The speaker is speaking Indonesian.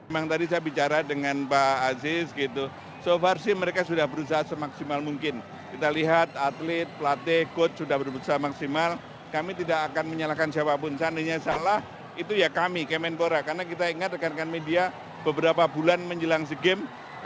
misalnya itu ya kami kementerian pemuda karena kita ingat dekatkan media beberapa bulan menjelang seagames